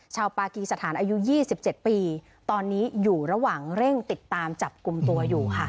ปากีสถานอายุ๒๗ปีตอนนี้อยู่ระหว่างเร่งติดตามจับกลุ่มตัวอยู่ค่ะ